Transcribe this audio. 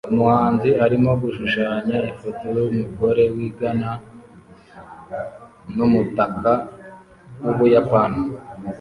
Umuhanzi arimo gushushanya ifoto yumugore wigana numutaka wu Buyapani